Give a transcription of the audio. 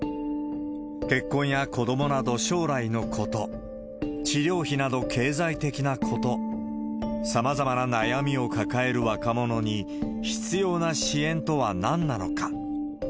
結婚や子どもなど将来のこと、治療費など経済的なこと、さまざまな悩みを抱える若者に、必要な支援とはなんなのか。